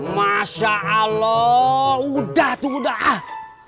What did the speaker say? masya allah udah tuh udah ah